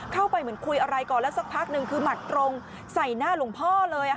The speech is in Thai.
เหมือนคุยอะไรก่อนแล้วสักพักหนึ่งคือหมัดตรงใส่หน้าหลวงพ่อเลย